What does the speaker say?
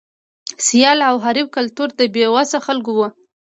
سیال او حریف کلتور د بې وسو خلکو و.